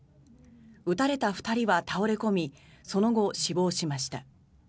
撃たれた２人は倒れ込みその後、死亡しました。